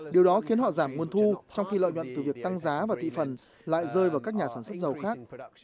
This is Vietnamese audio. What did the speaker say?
điều đó khiến họ giảm nguồn thu trong khi lợi nhuận từ việc tăng giá và thị phần lại rơi vào các nhà sản xuất dầu khác